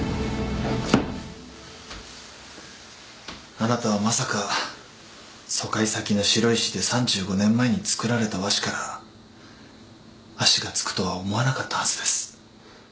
あなたはまさか疎開先の白石で３５年前に作られた和紙から足がつくとは思わなかったはずです。